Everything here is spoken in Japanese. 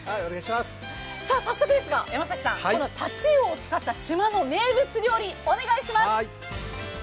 早速ですが、タチウオを使った島の名物料理お願いします。